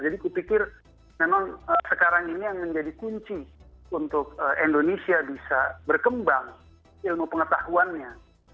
jadi kupikir memang sekarang ini yang menjadi kunci untuk indonesia bisa berkembang ilmu pengetahuannya